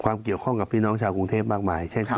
เกี่ยวข้องกับพี่น้องชาวกรุงเทพมากมายเช่นกัน